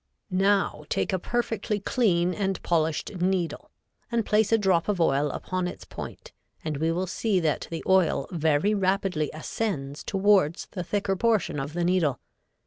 Now take a perfectly clean and polished needle and place a drop of oil upon its point and we will see that the oil very rapidly ascends towards the thicker portion of the needle.